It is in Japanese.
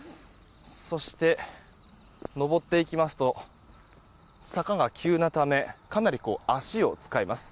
そして、登っていきますと坂が急なためかなり足を使います。